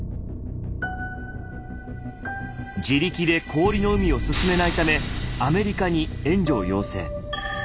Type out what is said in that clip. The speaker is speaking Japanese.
自力で氷の海を進めないためアメリカに援助を要請。